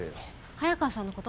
早川さんのこと？